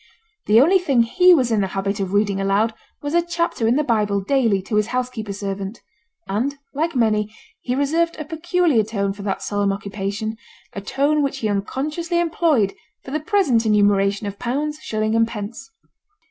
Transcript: The only thing he was in the habit of reading aloud was a chapter in the Bible daily to his housekeeper servant; and, like many, he reserved a peculiar tone for that solemn occupation a tone which he unconsciously employed for the present enumeration of pounds, shillings, and pence.